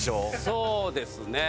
そうですね。